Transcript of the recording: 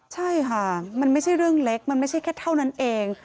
ใช่ค่ะมันไม่ใช่เรื่องเล็กมันไม่ใช่แค่เท่านั้นเอง